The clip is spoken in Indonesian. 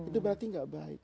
itu berarti gak baik